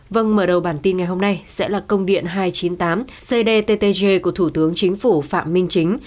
vâng mở đầu bản tin ngày hôm nay sẽ là công điện hai trăm chín mươi tám cdttg của thủ tướng chính phủ phạm minh chính